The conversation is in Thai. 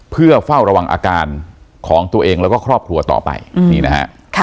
เพื่อเฝ้าระวังอาการของตัวเองแล้วก็ครอบครัวต่อไปนี่นะฮะ